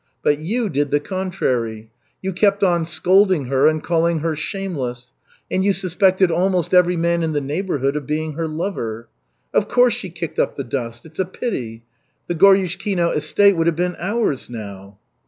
But you did the contrary. You kept on scolding her and calling her shameless, and you suspected almost every man in the neighborhood of being her lover. Of course, she kicked up the dust. It's a pity. The Goryushkino estate would have been ours now."